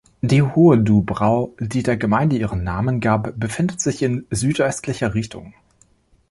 Die Hohe Dubrau, die der Gemeinde ihren Namen gab, befindet sich in südöstlicher Richtung.